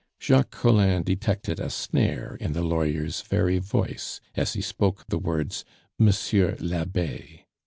Jacques Collin detected a snare in the lawyer's very voice as he spoke the words "Monsieur l'Abbe."